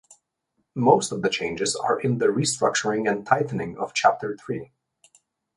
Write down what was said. Most of the changes are in the restructuring and tightening of Chapter Three.